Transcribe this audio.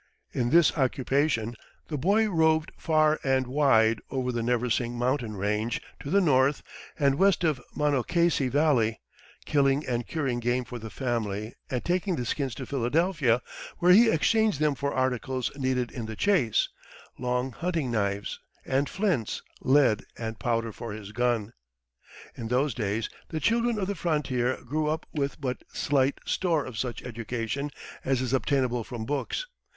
In this occupation the boy roved far and wide over the Neversink mountain range to the north and west of Monocacy Valley, killing and curing game for the family, and taking the skins to Philadelphia, where he exchanged them for articles needed in the chase long hunting knives, and flints, lead, and powder for his gun. In those days the children of the frontier grew up with but slight store of such education as is obtainable from books.